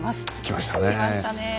きましたねえ。